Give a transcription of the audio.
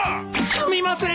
すみません！